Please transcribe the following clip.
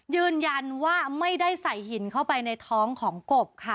ยืนยันว่าไม่ได้ใส่หินเข้าไปในท้องของกบค่ะ